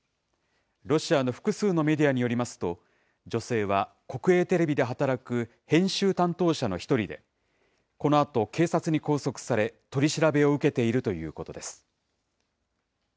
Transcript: ロシアの複数のメディアによりますと、女性は、国営テレビで働く編集担当者の一人で、このあと、警察に拘束され、取り調べを受けているということです。